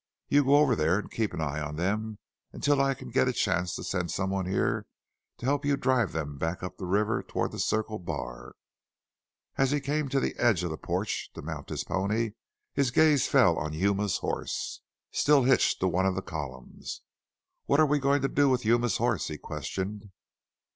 "You go over there and keep an eye on them until I can get a chance to send some one here to help you drive them back up the river toward the Circle Bar." As he came to the edge of the porch to mount his pony his gaze fell on Yuma's horse, still hitched to one of the columns. "What are we going to do with Yuma's horse?" he questioned.